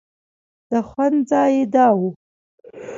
د خوند ځای یې دا و.